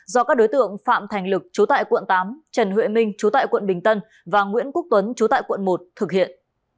do các đối tượng phạm thành lực chú tại quận tám trần huệ minh chú tại quận bình tân và nguyễn quốc tuấn chú tại quận một thực hiện